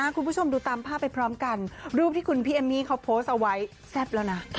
คุณผู้ชมดูตามภาพไปพร้อมกันรูปที่คุณพี่เอมมี่เขาโพสต์เอาไว้แซ่บแล้วนะ